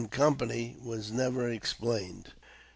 was never explained.